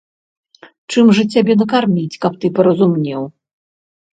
Чым жа цябе накарміць, каб ты паразумнеў?